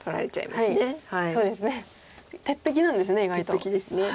鉄壁です。